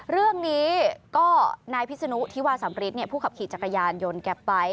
เรื่องนี้ก็นายพิศนุธิวาสำริทผู้ขับขี่จักรยานยนต์แกไป